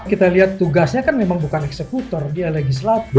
kita lihat tugasnya kan memang bukan eksekutor dia legislatif